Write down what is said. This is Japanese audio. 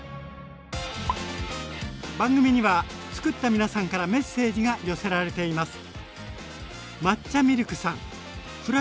番組には作った皆さんからメッセージが寄せられています。